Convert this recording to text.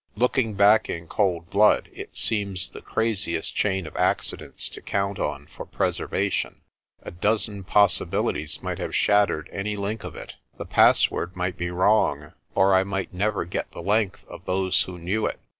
Looking back in cold blood, it seems the craziest chain of accidents to count on for preservation. A dozen possi bilities might have shattered any link of it. The password might be wrong, or I might never get the length of those who knew it.